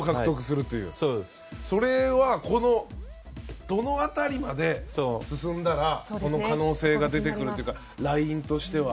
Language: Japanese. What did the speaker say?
それはどの辺りまで進んだらその可能性が出てくるというかラインとしては。